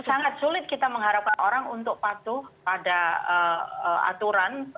sangat sulit kita mengharapkan orang untuk patuh pada aturan